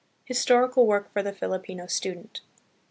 Historical Work for the Filipino Student.